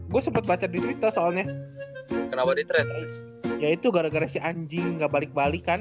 gue sempet baca di twitter soalnya kenapa di tread yaitu gara gara si anjing nggak balik balikan